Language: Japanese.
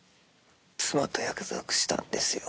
妻と約束したんですよ。